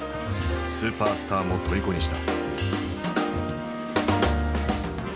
スーパースターもとりこにした。